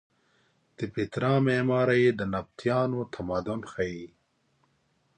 د پیترا معمارۍ د نبطیانو تمدن ښیې.